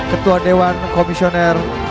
ketua dewan komisioner